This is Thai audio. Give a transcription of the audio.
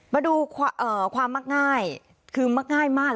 มาดูความมักง่ายคือมักง่ายมาก